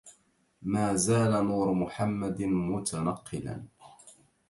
ما زال نور محمد متنقلا